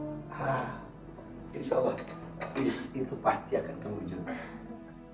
insya allah itu pasti akan terwujud